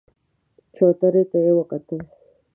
چوترې ته يې وکتل.